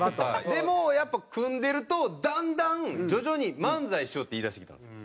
でもやっぱ組んでるとだんだん徐々に「漫才しよう」って言いだしてきたんですよ。